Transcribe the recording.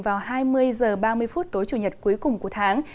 vào hai mươi h ba mươi phút tối chủ nhật cuối cùng của tháng